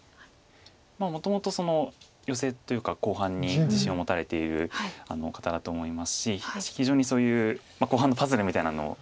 もともとヨセというか後半に自信を持たれている方だと思いますし非常にそういう後半のパズルみたいなのを。